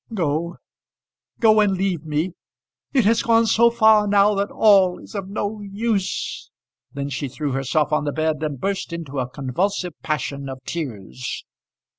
Go, go and leave me. It has gone so far now that all is of no use." Then she threw herself on the bed, and burst into a convulsive passion of tears.